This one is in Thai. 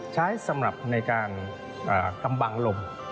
ใช้สำหรับในการกำบังลม